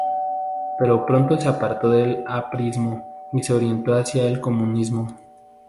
Pero pronto se apartó del aprismo y se orientó hacia el comunismo.